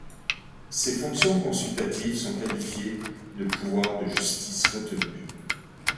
Ces fonctions consultatives sont qualifiées de pouvoir de justice retenue.